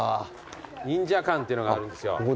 ＮＩＮＪＡ館っていうのがあるんですよ。